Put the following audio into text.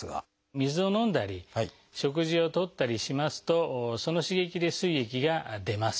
水を飲んだり食事をとったりしますとその刺激ですい液が出ます。